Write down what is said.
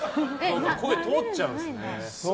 声通っちゃうんですね。